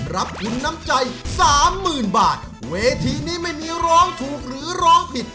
รับทุนน้ำใจสามหมื่นบาทเวทีนี้ไม่มีร้องถูกหรือร้องผิด